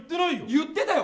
言ってたよ。